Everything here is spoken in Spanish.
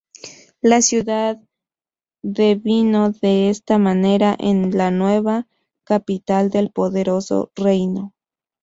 La ciudad devino de esta manera en la nueva capital del poderoso reino.